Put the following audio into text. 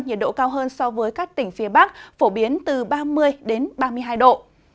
nhiệt độ cao hơn so với các tỉnh phía bắc phổ biến từ ba mươi ba mươi hai độ